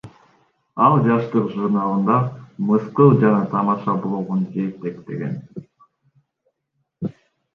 Ал Жаштык журналында мыскыл жана тамаша блогун жетектеген.